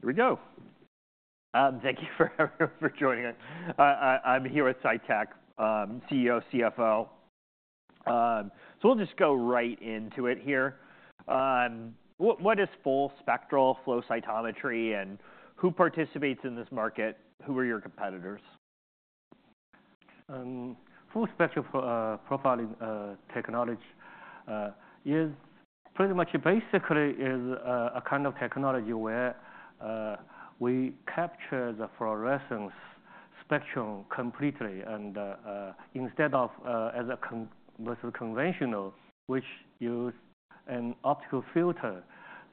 Here we go. Thank you for everyone for joining us. I'm here with Cytek CEO, CFO, so we'll just go right into it here. What is full spectral flow cytometry and who participates in this market? Who are your competitors? Full Spectrum Profiling technology is pretty much basically a kind of technology where we capture the fluorescence spectrum completely and, instead of as opposed to conventional, which use an optical filter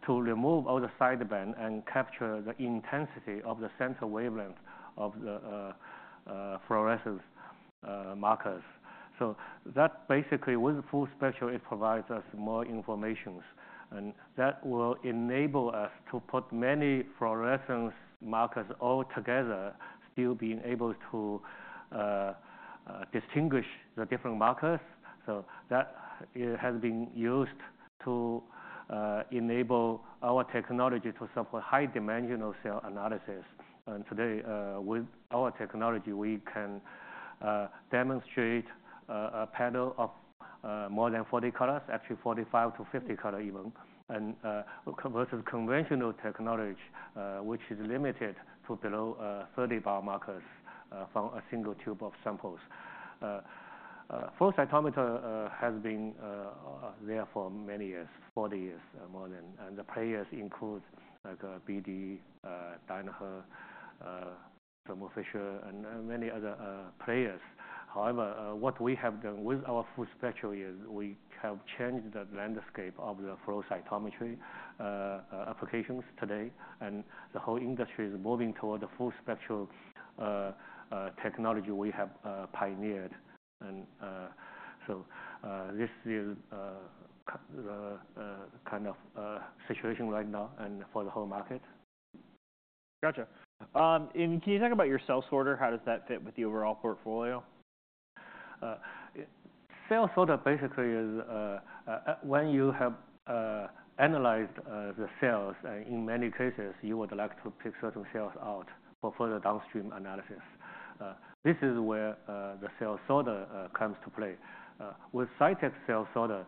to remove all the sideband and capture the intensity of the center wavelength of the fluorescence markers. So that basically with Full Spectrum, it provides us more information and that will enable us to put many fluorescence markers all together, still being able to distinguish the different markers. So that it has been used to enable our technology to support high-dimensional cell analysis. Today, with our technology, we can demonstrate a panel of more than 40 colors, actually 45-50 colors even, and versus conventional technology, which is limited to below 30 biomarkers from a single tube of samples. Flow Cytometer has been there for many years, more than 40 years, and the players include like BD, Danaher, Thermo Fisher, and many other players. However, what we have done with our full spectral is we have changed the landscape of the flow cytometry applications today, and the whole industry is moving toward the full spectral technology we have pioneered. So this is the kind of situation right now and for the whole market. Gotcha, and can you talk about your cell sorter? How does that fit with the overall portfolio? Cell sorter basically is, when you have analyzed the cells, and in many cases, you would like to pick certain cells out for further downstream analysis. This is where the cell sorter comes to play. With Cytek's cell sorter,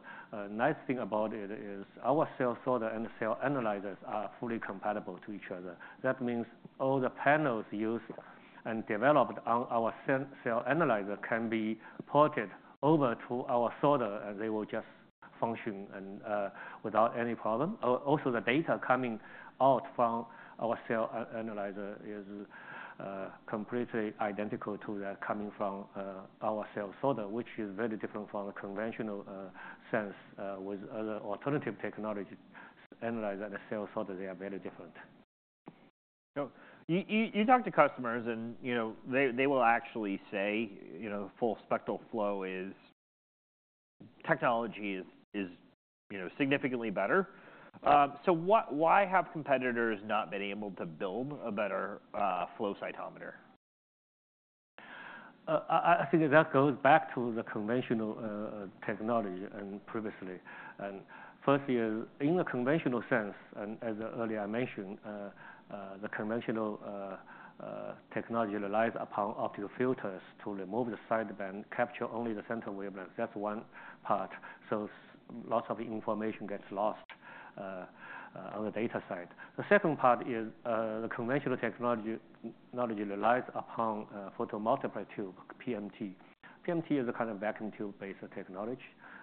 nice thing about it is our cell sorter and the cell analyzers are fully compatible to each other. That means all the panels used and developed on our cell analyzer can be ported over to our sorter, and they will just function without any problem. Oh, also, the data coming out from our cell analyzer is completely identical to that coming from our cell sorter, which is very different from the conventional sense with other alternative technology. Analyzer and the cell sorter, they are very different. You talk to customers and, you know, they will actually say, you know, full spectral flow cytometry technology is, you know, significantly better. What, why have competitors not been able to build a better flow cytometer? I think that goes back to the conventional technology and previously. First is in the conventional sense, and as earlier I mentioned, the conventional technology relies upon optical filters to remove the sideband, capture only the center wavelength. That's one part. So lots of information gets lost on the data side. The second part is, the conventional technology also relies upon photomultiplier tube, PMT. PMT is a kind of vacuum tube-based technology,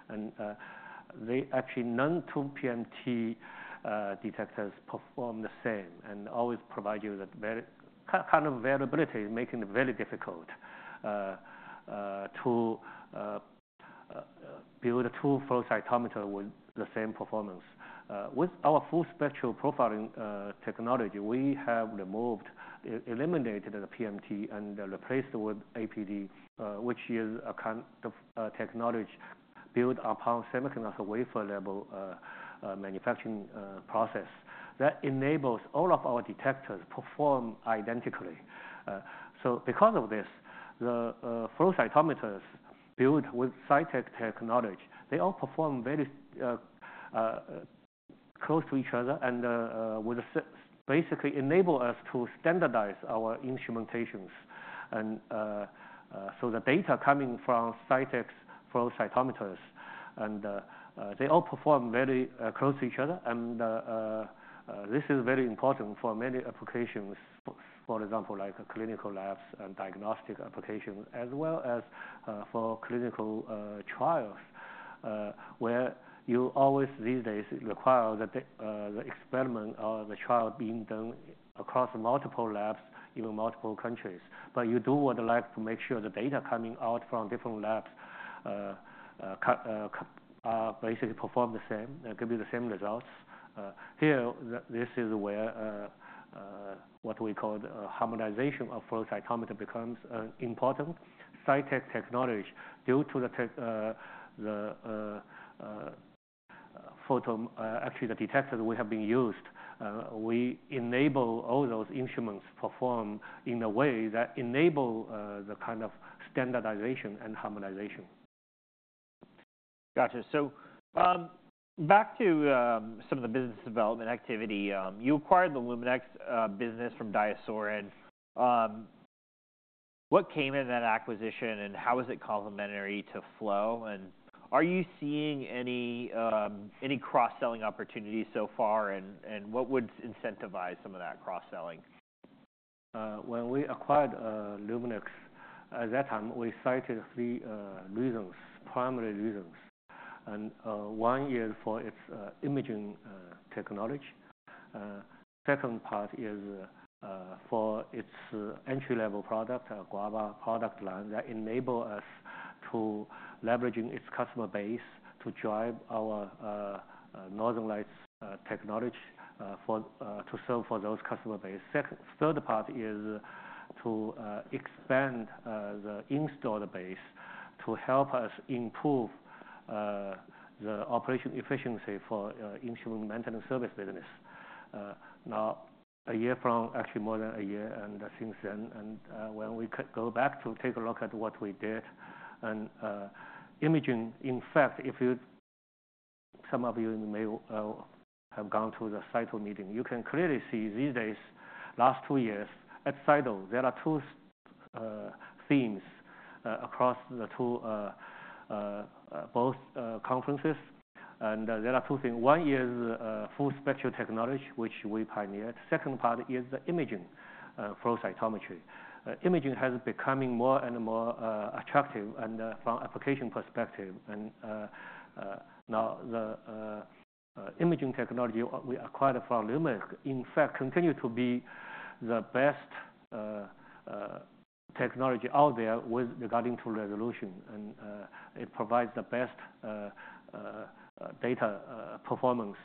and they actually no two PMT detectors perform the same and always provide you with a very kind of variability, making it very difficult to build a flow cytometer with the same performance. With our Full Spectrum Profiling technology, we have removed, eliminated the PMT and replaced with APD, which is a kind of technology built upon semiconductor wafer level manufacturing process. That enables all of our detectors perform identically. So because of this, the flow cytometers built with Cytek technology, they all perform very close to each other and basically enable us to standardize our instrumentations. The data coming from Cytek's flow cytometers, they all perform very close to each other. This is very important for many applications, for example, like clinical labs and diagnostic applications, as well as for clinical trials, where you always these days require the experiment or the trial being done across multiple labs, even multiple countries. But you would like to make sure the data coming out from different labs basically perform the same and give you the same results. Here, this is where what we call harmonization of flow cytometer becomes important. Cytek technology, due to the, actually the detectors we have been used, we enable all those instruments perform in a way that enable the kind of standardization and harmonization. Gotcha. So, back to some of the business development activity. You acquired the Luminex business from DiaSorin. What came in that acquisition and how is it complementary to flow? And are you seeing any cross-selling opportunities so far? And what would incentivize some of that cross-selling? When we acquired Luminex, at that time, we cited three primary reasons. One is for its imaging technology. Second is for its entry-level product, Guava product line that enable us to leveraging its customer base to drive our Northern Lights technology to serve for those customer base. Third is to expand the installed base to help us improve the operation efficiency for instrument maintenance service business. Now a year from—actually more than a year—since then, when we go back to take a look at what we did and imaging, in fact, if some of you may have gone to the CYTO meeting, you can clearly see these days, last two years at CYTO, there are two themes across the two both conferences. There are two things. One is full spectral technology, which we pioneered. Second part is the imaging flow cytometry. Imaging has become more and more attractive and from application perspective. Now the imaging technology we acquired from Luminex in fact continues to be the best technology out there with regard to resolution. It provides the best data performance.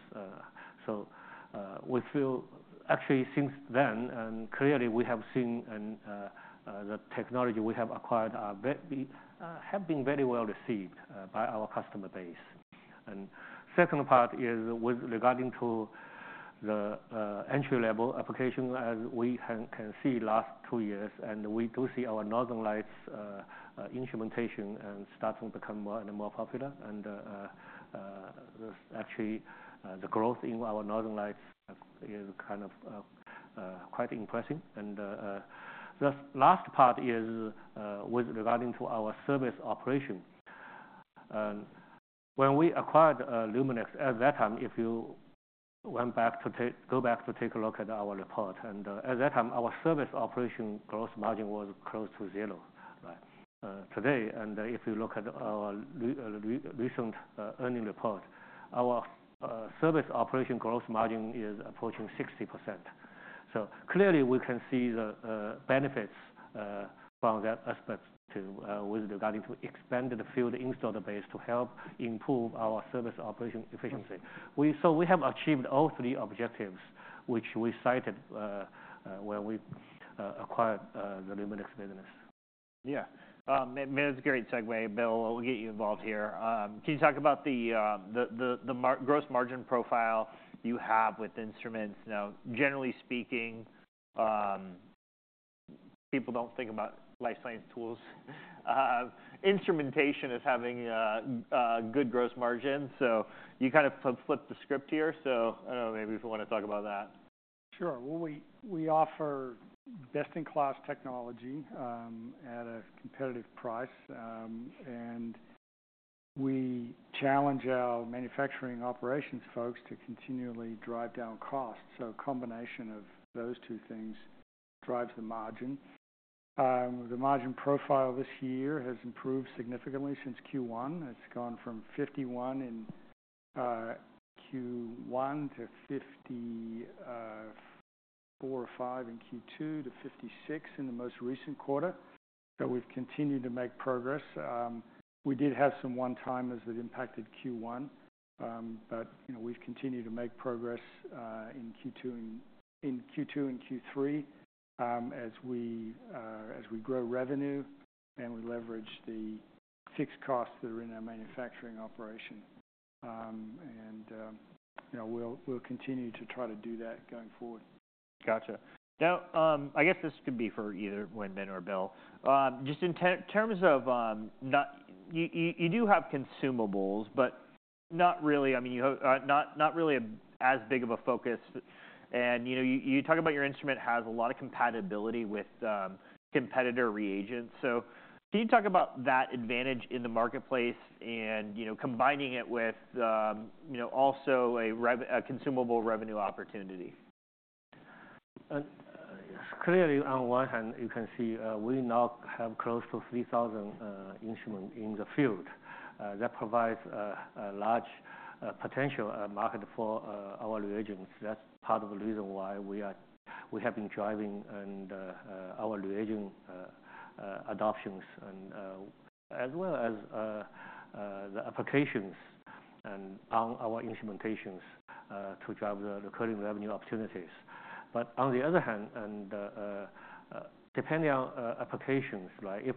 We feel actually since then, and clearly we have seen the technology we have acquired has been very well received by our customer base. Second part is with regard to the entry-level application, as we can see last two years, and we do see our Northern Lights instrumentation starting to become more and more popular. Actually, the growth in our Northern Lights is kind of quite impressive. The last part is with regard to our service operation. When we acquired Luminex at that time, if you went back to take a look at our report, and at that time, our service operation gross margin was close to zero, right? Today, if you look at our recent earnings report, our service operation gross margin is approaching 60%. Clearly we can see the benefits from that aspect with regard to expanded field installed base to help improve our service operation efficiency. We have achieved all three objectives which we cited when we acquired the Luminex business. Yeah. Mainly it's a great segue, Will. We'll get you involved here. Can you talk about the margin gross margin profile you have with instruments? Now, generally speaking, people don't think about life science tools. Instrumentation is having good gross margins. So you kind of flipped the script here. So I don't know, maybe if you wanna talk about that. Sure. Well, we offer best-in-class technology at a competitive price, and we challenge our manufacturing operations folks to continually drive down cost, so a combination of those two things drives the margin. The margin profile this year has improved significantly since Q1. It's gone from 51% in Q1 to 54 or 55% in Q2 to 56% in the most recent quarter, so we've continued to make progress. We did have some one-timers that impacted Q1, but you know, we've continued to make progress in Q2 and Q3, as we grow revenue and we leverage the fixed costs that are in our manufacturing operation, and you know, we'll continue to try to do that going forward. Gotcha. Now, I guess this could be for either Wenbin or Will. Just in terms of, not you, you do have consumables, but not really, I mean, you do not, not really as big of a focus. And, you know, you talk about your instrument has a lot of compatibility with competitor reagents. So can you talk about that advantage in the marketplace and, you know, combining it with, you know, also a revenue consumable revenue opportunity? Clearly, on one hand, you can see we now have close to 3,000 instruments in the field. That provides a large potential market for our reagents. That's part of the reason why we have been driving our reagent adoptions, as well as the applications on our instrumentations, to drive the recurring revenue opportunities. But on the other hand, depending on applications, right, if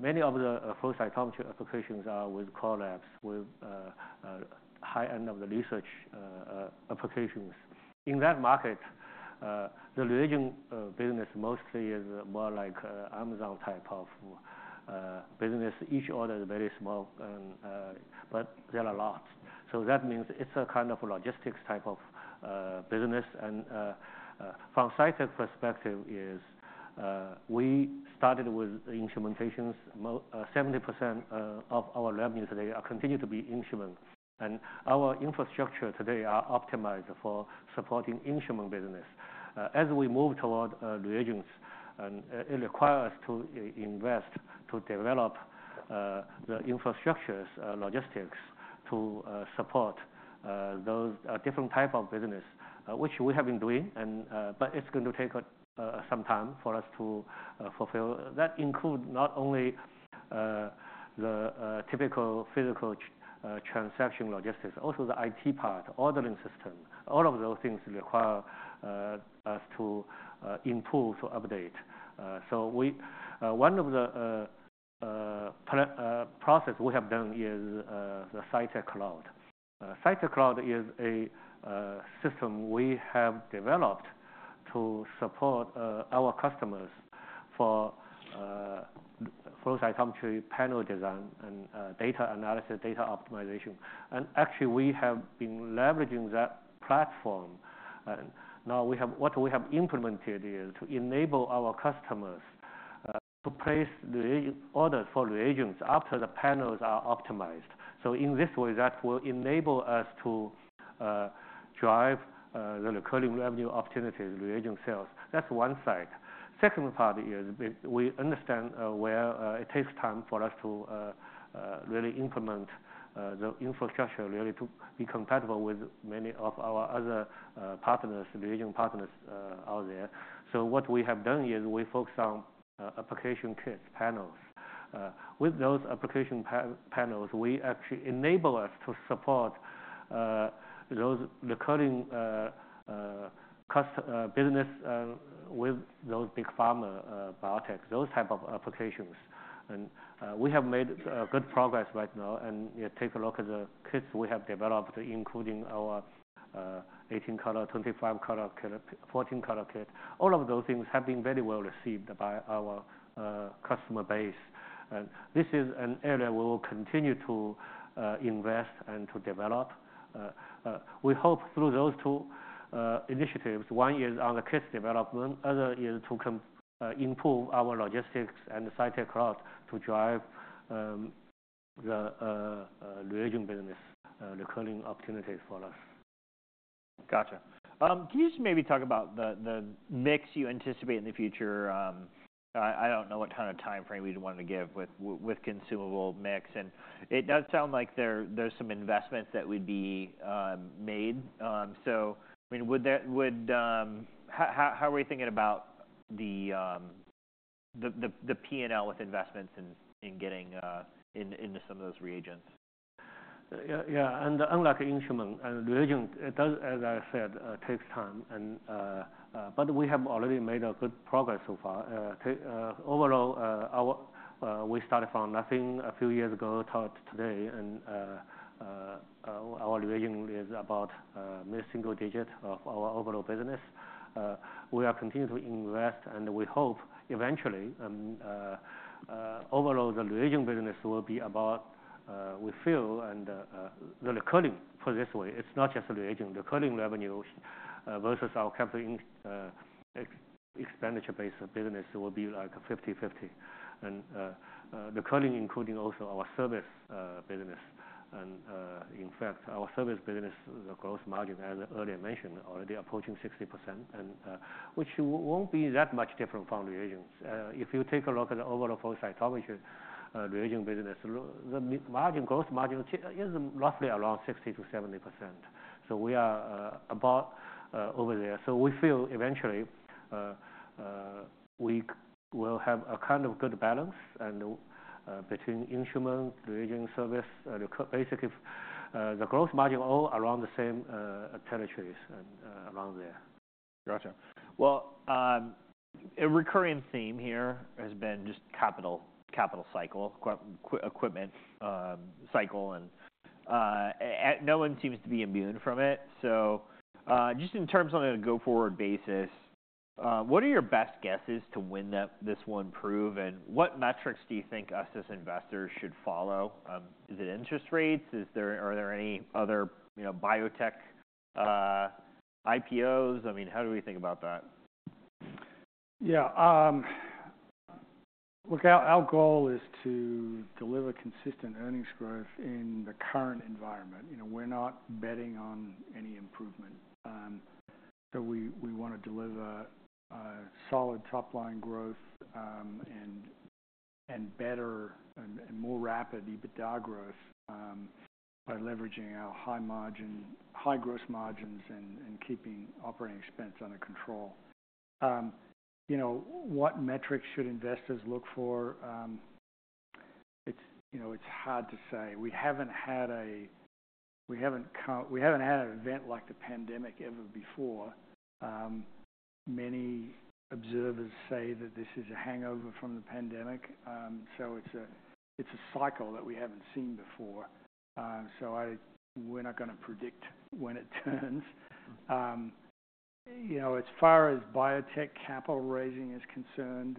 many of the flow cytometry applications are with core labs, with high-end research applications. In that market, the reagent business mostly is more like Amazon type of business. Each order is very small, but there are lots. So that means it's a kind of logistics type of business. And from Cytek perspective, we started with instrumentations. More 70% of our revenue today continues to be instruments. And our infrastructure today is optimized for supporting instrument business. As we move toward reagents, and it requires us to invest to develop the infrastructure, logistics to support those different type of business, which we have been doing. But it's gonna take some time for us to fulfill. That includes not only the typical physical transaction logistics, also the IT part, ordering system. All of those things require us to improve, to update. One of the key processes we have done is the Cytek Cloud. Cytek Cloud is a system we have developed to support our customers for flow cytometry panel design and data analysis, data optimization. And actually, we have been leveraging that platform. And now what we have implemented is to enable our customers to place reagent orders for reagents after the panels are optimized. In this way, that will enable us to drive the recurring revenue opportunities, reagent sales. That's one side. Second part is, we understand where it takes time for us to really implement the infrastructure really to be compatible with many of our other partners, reagent partners, out there. So what we have done is we focus on application kits, panels. With those application panels, we actually enable us to support those recurring customer business with those big pharma, biotech, those type of applications. We have made good progress right now. Take a look at the kits we have developed, including our 18-color, 25-color, and 14-color kit. All of those things have been very well received by our customer base. This is an area we will continue to invest and to develop. We hope through those two initiatives, one is on the kits development, other is to continue to improve our logistics and Cytek Cloud to drive the reagent business, recurring opportunities for us. Gotcha. Can you just maybe talk about the mix you anticipate in the future? I don't know what kind of time frame you'd wanna give with consumable mix. And it does sound like there's some investments that would be made. So, I mean, how are you thinking about the P&L with investments in getting into some of those reagents? Yeah, yeah. Unlike instrument and reagent, it does, as I said, takes time. But we have already made a good progress so far. Overall, we started from nothing a few years ago to today. Our reagent is about mid-single digit of our overall business. We are continuing to invest, and we hope eventually, overall, the reagent business will be about, we feel, and the recurring for this way. It's not just reagent. Recurring revenue versus our capital expenditure-based business will be like 50/50. Recurring, including also our service business. In fact, our service business, the gross margin, as earlier mentioned, already approaching 60%. Which won't be that much different from reagents. If you take a look at the overall flow cytometry reagent business, the margin, gross margin, is roughly around 60%-70%. So we are about over there. So we feel eventually we will have a kind of good balance between instrument, reagent, service, recurring basically the gross margin all around the same in the forties and around there. Gotcha. A recurring theme here has been just capital cycle, equipment cycle. No one seems to be immune from it. Just in terms of a go-forward basis, what are your best guesses as to when this one proves? What metrics do you think, as investors, we should follow? Is it interest rates? Is there any other, you know, biotech IPOs? I mean, how do we think about that? Yeah. Look, our goal is to deliver consistent earnings growth in the current environment. You know, we're not betting on any improvement. So we wanna deliver solid top-line growth, and better and more rapid EBITDA growth, by leveraging our high margin, high gross margins and keeping operating expense under control. You know, what metrics should investors look for? It's, you know, it's hard to say. We haven't had an event like the pandemic ever before. Many observers say that this is a hangover from the pandemic. So it's a cycle that we haven't seen before. So we're not gonna predict when it turns. You know, as far as biotech capital raising is concerned,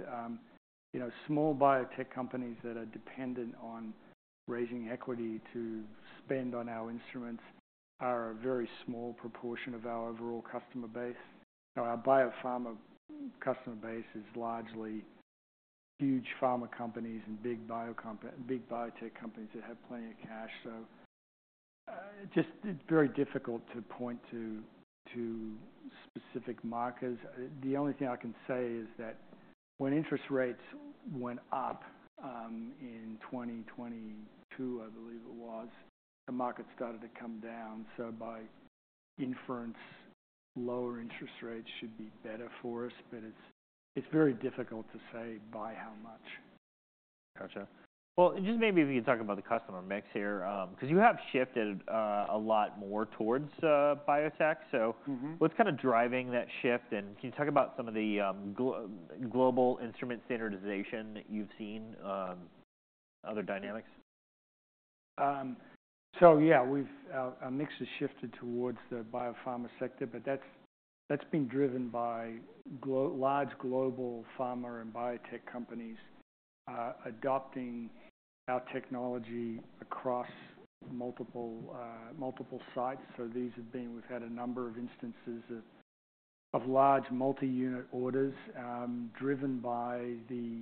you know, small biotech companies that are dependent on raising equity to spend on our instruments are a very small proportion of our overall customer base. Now, our biopharma customer base is largely huge pharma companies and big biotech companies that have plenty of cash. So, just it's very difficult to point to specific markers. The only thing I can say is that when interest rates went up, in 2022, I believe it was, the market started to come down. So by inference, lower interest rates should be better for us. But it's very difficult to say by how much. Gotcha. Well, just maybe if you can talk about the customer mix here, 'cause you have shifted a lot more towards biotech. So. Mm-hmm. What's kind of driving that shift? And can you talk about some of the global instrument standardization that you've seen, other dynamics? So yeah, our mix has shifted towards the biopharma sector. But that's been driven by large global pharma and biotech companies adopting our technology across multiple sites. So we've had a number of instances of large multi-unit orders, driven by the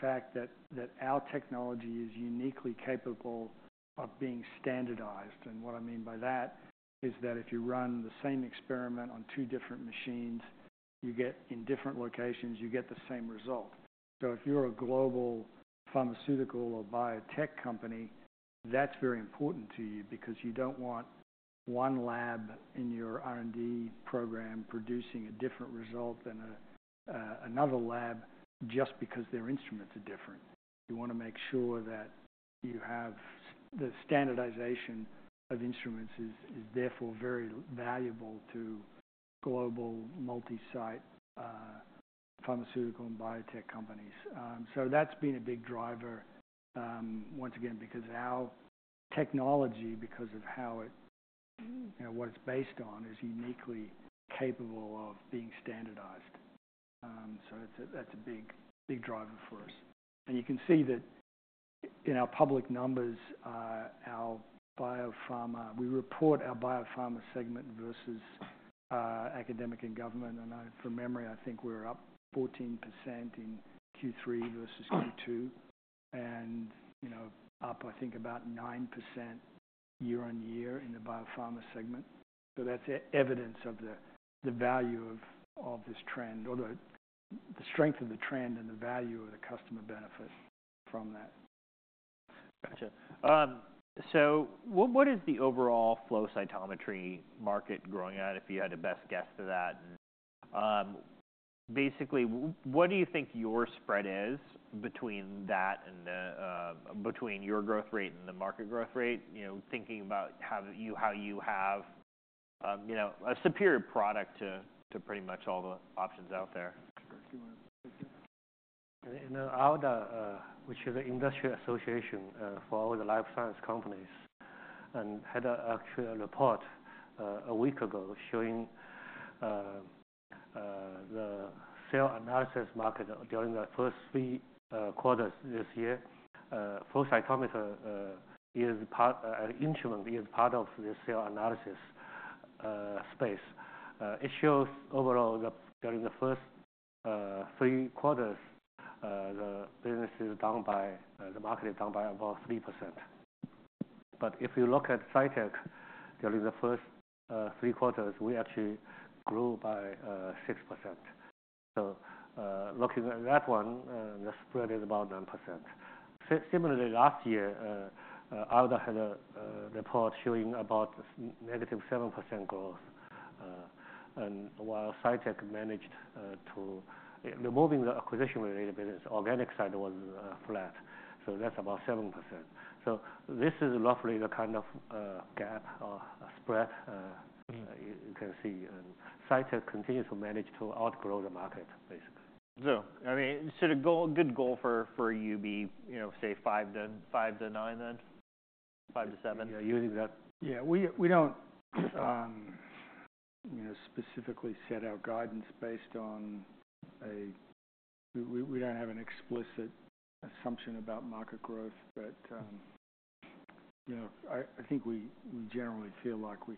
fact that our technology is uniquely capable of being standardized. And what I mean by that is that if you run the same experiment on two different machines, you get in different locations you get the same result. So if you're a global pharmaceutical or biotech company, that's very important to you because you don't want one lab in your R&D program producing a different result than another lab just because their instruments are different. You wanna make sure that you have the standardization of instruments is therefore very valuable to global multi-site pharmaceutical and biotech companies. So that's been a big driver, once again, because our technology, because of how it, you know, what it's based on, is uniquely capable of being standardized. So it's that's a big, big driver for us. And you can see that in our public numbers. Our biopharma we report our biopharma segment versus academic and government. And I, from memory, think we're up 14% in Q3 versus Q2. Mm-hmm. You know, up I think about 9% year on year in the biopharma segment. That's evidence of the value of this trend or the strength of the trend and the value of the customer benefit from that. Gotcha. So what is the overall flow cytometry market growing at, if you had to best guess to that? And basically, what do you think your spread is between that and the between your growth rate and the market growth rate, you know, thinking about how you have, you know, a superior product to pretty much all the options out there? Director, if you wanna take that. ALDA, which is an industry association for all the life science companies, actually had a report a week ago showing the cell analysis market during the first three quarters this year. Flow cytometer is part; an instrument is part of the cell analysis space. It shows overall during the first three quarters the market is down by about 3%. But if you look at Cytek during the first three quarters we actually grew by 6%. So looking at that one the spread is about 9%. Similarly last year ALDA had a report showing about negative 7% growth. And while Cytek managed to removing the acquisition-related business organic side was flat. So that's about 7%. So this is roughly the kind of gap or spread you can see. Cytek continues to manage to outgrow the market, basically. I mean, the goal for you to be, you know, say five to nine then? Five to seven? Yeah, using that. Yeah. We don't, you know, specifically set out guidance based on a. We don't have an explicit assumption about market growth. But, you know, I think we generally feel like we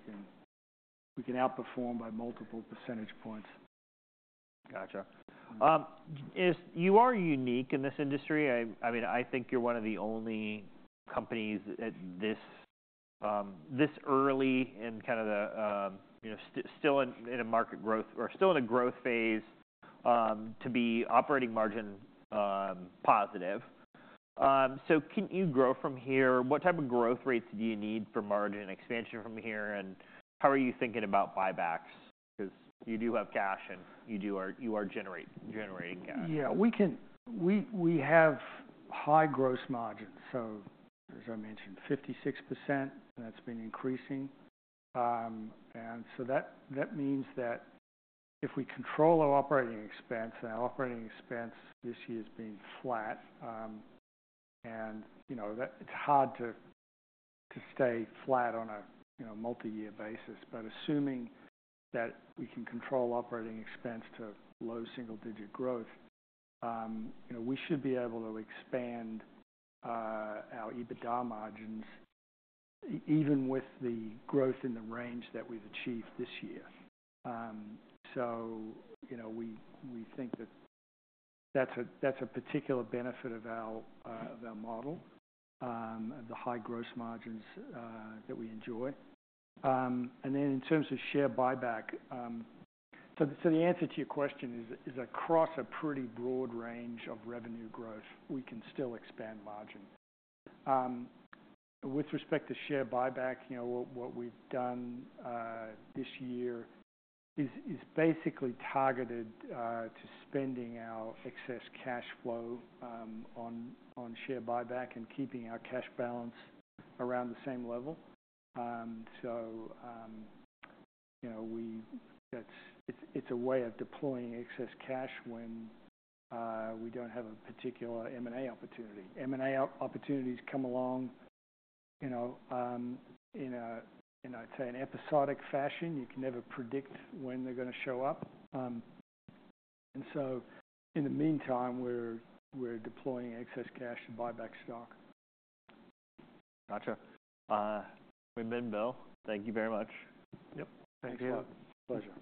can outperform by multiple percentage points. Gotcha. You are unique in this industry. I mean, I think you're one of the only companies at this early and kind of the, you know, still in a market growth or still in a growth phase, to be operating margin positive, so can you grow from here? What type of growth rates do you need for margin expansion from here? And how are you thinking about buybacks? 'Cause you do have cash and you are generating cash. Yeah. We can. We have high gross margins. So, as I mentioned, 56%, and that's been increasing. And so that means that if we control our operating expense, and our operating expense this year has been flat. And you know, it's hard to stay flat on a multi-year basis. But assuming that we can control operating expense to low single-digit growth, you know, we should be able to expand our EBITDA margins even with the growth in the range that we've achieved this year. So you know, we think that that's a particular benefit of our model, of the high gross margins that we enjoy. And then in terms of share buyback, the answer to your question is across a pretty broad range of revenue growth, we can still expand margin. With respect to share buyback, you know, what we've done this year is basically targeted to spending our excess cash flow on share buyback and keeping our cash balance around the same level. So, you know, that's, it's a way of deploying excess cash when we don't have a particular M&A opportunity. M&A opportunities come along, you know, in, I'd say, an episodic fashion. You can never predict when they're gonna show up. And so in the meantime, we're deploying excess cash to buyback stock. Gotcha. Wenbin, Will, thank you very much. Yep. Thanks a lot. Thank you. Pleasure.